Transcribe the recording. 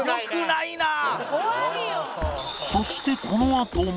そしてこのあとも